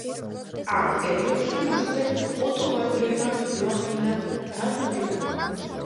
ამ პერიოდში მასზე ოტო ვაგნერმა მოახდინა გავლენა.